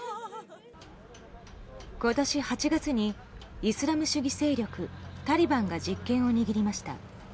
今年８月にイスラム主義勢力タリバンが実権を握りました。